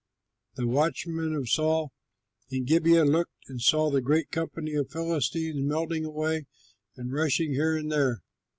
The watchmen of Saul in Gibeah looked and saw the great company of Philistines melting away and rushing here and there.